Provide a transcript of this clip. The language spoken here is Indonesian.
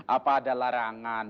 apa ada larangan